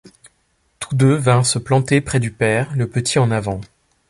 Tous deux vinrent se planter près du père, le petit en avant.